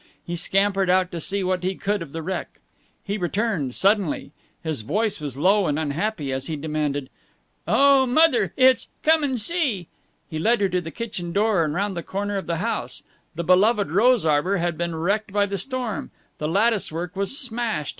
He scampered out to see what he could of the wreck. He returned, suddenly. His voice was low and unhappy as he demanded, "Oh, Mother, it's Come and see." He led her to the kitchen door and round the corner of the house. The beloved rose arbor had been wrecked by the storm. The lattice work was smashed.